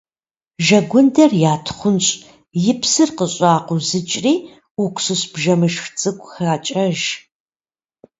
Жэгундэр ятхъунщӏ, и псыр къыщӏакъузыкӏри, уксус бжэмышх цӏыкӏу хакӏэж.